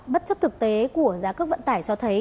bất chấp thực tế của giá cước vận tải cho thấy